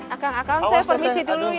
akan akan saya permisi dulu ya